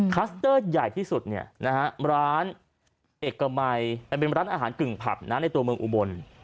คัสเตอร์ใหญ่ที่สุดร้านอาหารกึ่งผับในตัวเมืองอุบล